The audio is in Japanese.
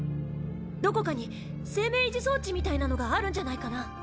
どこかに生命維持装置みたいなのがあるんじゃないかな？